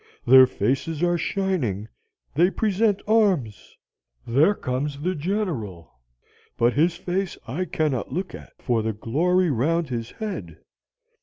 Their faces are shining, they present arms, there comes the General; but his face I cannot look at, for the glory round his head.